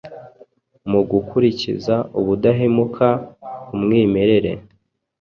mugukurikiza ubudahemuka umwimerere